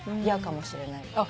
嫌かもしれない。